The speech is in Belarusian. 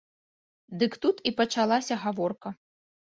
Дык тут і пачалася гаворка.